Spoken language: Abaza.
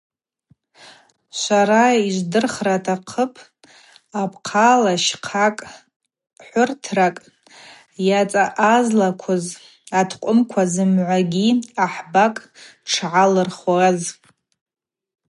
Швара йыжвдырхра атахъыпӏ, апхъала щхъакӏ, хӏвыртакӏ йацаъазлаквуз аткъвымква зымгӏвагьи ахӏбакӏ дшалырхуаз.